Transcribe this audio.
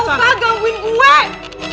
ga usah gangguin gue